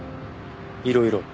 いろいろ？